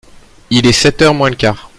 Il est sept heures moins le quart.